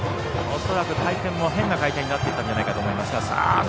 恐らく回転も変な回転になっていたんじゃないかと思います。